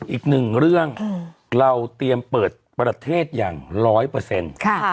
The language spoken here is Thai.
อีกหนึ่งเรื่องเราเตรียมเปิดประเทศอย่างร้อยเปอร์เซ็นต์